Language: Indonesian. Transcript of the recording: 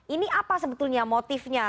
ini apa sebetulnya motifnya